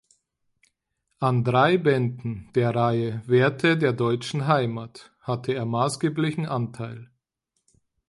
An drei Bänden der Reihe "Werte der deutschen Heimat" hatte er maßgeblichen Anteil.